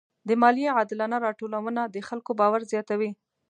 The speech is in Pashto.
د مالیې عادلانه راټولونه د خلکو باور زیاتوي.